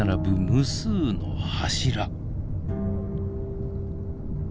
無数の柱。